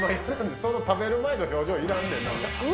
その食べる前の表情いらんねんな。